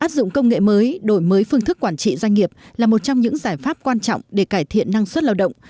áp dụng công nghệ mới đổi mới phương thức quản trị doanh nghiệp là một trong những giải pháp quan trọng để cải thiện năng suất lao động